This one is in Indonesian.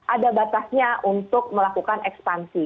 ada batasnya untuk melakukan ekspansi